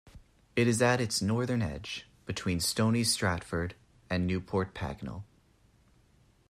It is at its northern edge, between Stony Stratford and Newport Pagnell.